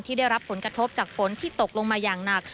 ได้รับผลกระทบจากฝนที่ตกลงมาอย่างหนัก